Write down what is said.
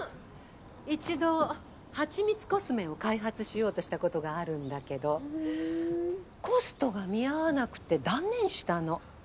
一度はちみつコスメを開発しようとしたことがあるんだけどコストが見合わなくて断念したの。